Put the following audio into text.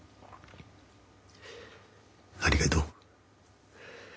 ありがとう。